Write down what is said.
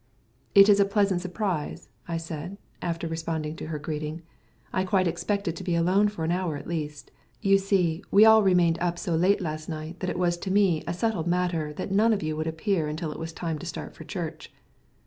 "This is a pleasant surprise," I said, after responding to her greeting. "I quite expected to be alone for an hour at least. You see, we all remained up so late last night that it was to me a settled matter that none of you would appear until it was time to start for church."